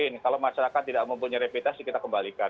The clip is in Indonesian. mungkin kalau masyarakat tidak mempunyai reputasi kita kembalikan